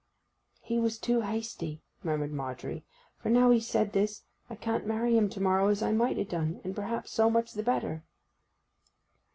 'He was too hasty,' murmured Margery. 'For now he's said this I can't marry him to morrow, as I might ha' done; and perhaps so much the better.